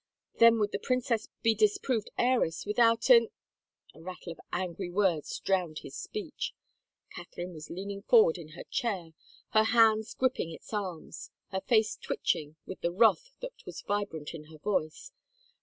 Then would the princess be disproved heiress without in —" A rattle of angry words drowned his speech. Cath erine was leaning forward in her chair, her hands gripping its arms, her face twitching with the wrath that was vibrant in her voice.